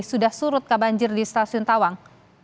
sudah surut kabar banjir di stasiun tawang